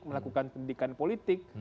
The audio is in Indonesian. melakukan pendidikan politik